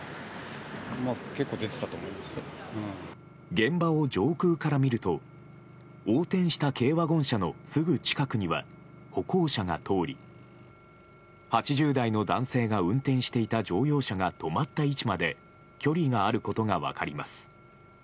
現場を上空から見ると横転した軽ワゴン車のすぐ近くには歩行者が通り８０代の男性が運転していた乗用車が止まった位置まで距離があることが分かります。